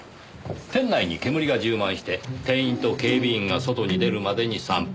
店内に煙が充満して店員と警備員が外に出るまでに３分。